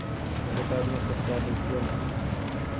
Гэта адно са слабых звёнаў.